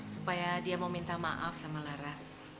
supaya dia mau minta maaf sama laras